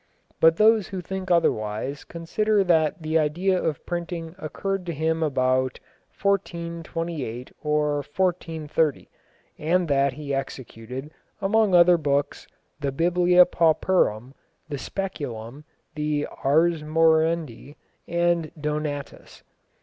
But those who think otherwise consider that the idea of printing occurred to him about 1428 or 1430, and that he executed, among other books, the Biblia Pauperum, the Speculum, the Ars Moriendi, and Donatus.